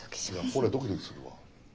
これドキドキするわ。